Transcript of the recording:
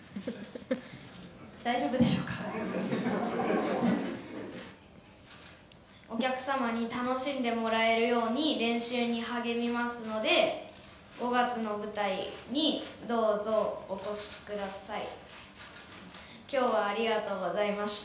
「大丈夫でしょうか？」「」「お客様に楽しんでもらえるように練習に励みますので５月の舞台にどうぞお越しください」「今日はありがとうございました」